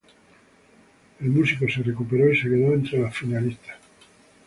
El músico se recuperó y quedó entre los finalistas.